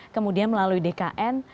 kemudian melalui dkn